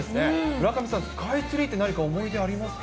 村上さん、スカイツリーって何か思い出ありますか？